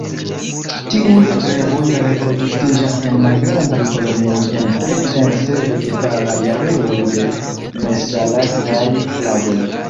Tiuj greboj reproduktiĝas en malgrandaj kolonioj en tre dense vegetalaj areoj de nesalakvaj lagoj.